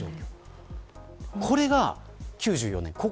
これが９４年です。